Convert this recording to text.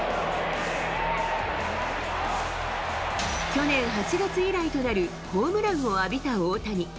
去年８月以来となるホームランを浴びた大谷。